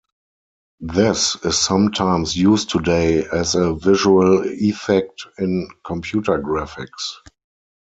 This is sometimes used today as a visual effect in computer graphics.